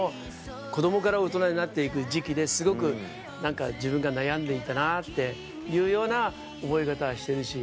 子供から大人になって行く時期ですごく何か自分が悩んでいたなっていうような覚え方してるし。